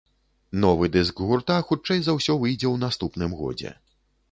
Новы дыск гурта, хутчэй за ўсё, выйдзе ў наступным годзе.